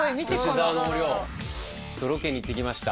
吉沢のお亮とロケに行ってきました。